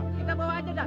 kita bawa aja dah